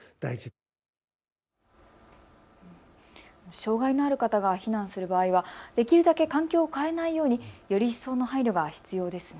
障害のある方が避難する場合は、できるだけ環境を変えないようにより一層の配慮が必要ですね。